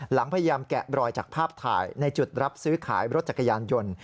พยายามแกะรอยจากภาพถ่ายในจุดรับซื้อขายรถจักรยานยนต์